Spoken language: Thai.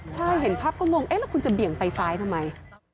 ใช่เห็นภาพก็งงเอ๊ะแล้วคุณจะเบี่ยงไปซ้ายทำไม